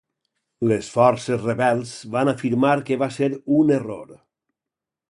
Les forces rebels van afirmar que va ser un error.